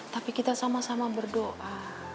tapi kita sama sama berdoa